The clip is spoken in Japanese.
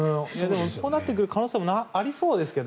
そうなってくる可能性もありそうですけど。